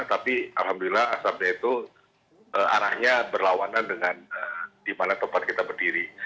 tapi alhamdulillah asapnya itu arahnya berlawanan dengan di mana tempat kita berdiri